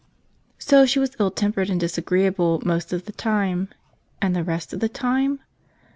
So she was ill tempered and disagreeable most of the time. And the rest of the time?